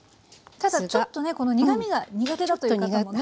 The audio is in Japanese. ただちょっとねこの苦みが苦手だという方もね。